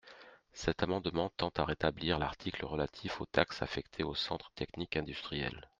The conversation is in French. Cet amendement tend à rétablir l’article relatif aux taxes affectées aux centres techniques industriels.